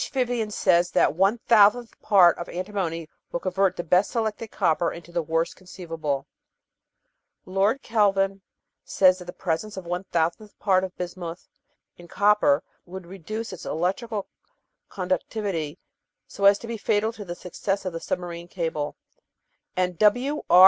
Vivian says that T irW part of antimony will convert the best selected copper into the worst conceivable; Lord Kelvin says that the presence of TTr Yii P ar t of bismuth in copper would reduce its electrical conductivity so as to be fatal to the success of the submarine cable; and W. R.